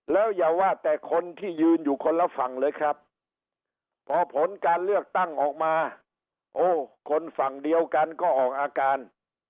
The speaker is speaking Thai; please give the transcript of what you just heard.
แล้วอย่าว่าแต่คนที่ยืนอยู่คนละฝั่งเลยครับพอผลการเลือกตั้งออกมาโอ้คนฝั่งเดียวกันก็ออกอาการ